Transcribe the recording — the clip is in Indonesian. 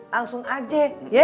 langsung aja ye